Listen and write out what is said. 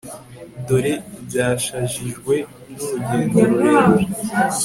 dore byashajishijwe n'urugendo rurerure